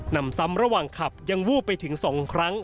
นำซ้ำระหว่างขับยังวูบไปถึง๒ครั้ง